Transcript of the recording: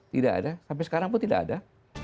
tidak ada sampai sekarang pun tidak ada